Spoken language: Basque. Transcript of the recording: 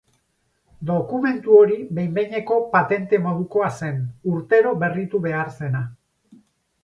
Dokumentu hori behin-behineko patente modukoa zen, urtero berritu behar zena.